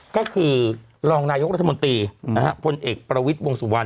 ก็คือรองนายกรัฐมนตรีพลเอกประวิทย์วงสุวรรณ